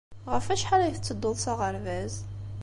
Ɣef wacḥal ay tettedduḍ s aɣerbaz?